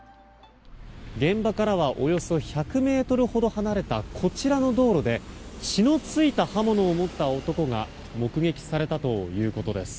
現場からはおよそ１００ｍほど離れたこちらの道路で血の付いた刃物を持った男が目撃されたということです。